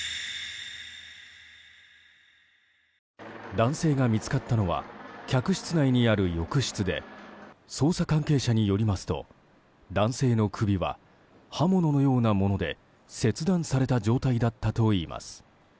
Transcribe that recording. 男性が見つかったのは客室内にある浴室で捜査関係者によりますと男性の首は刃物のようなもので切断された状態だったといいます。